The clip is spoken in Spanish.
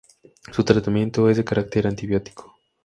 Su tratamiento es de carácter antibiótico.